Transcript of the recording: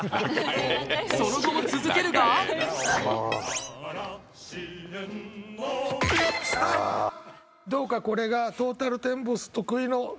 その後も続けるがどうかこれが。